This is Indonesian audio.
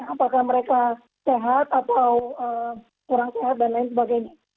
apakah mereka sehat atau kurang sehat dan lain sebagainya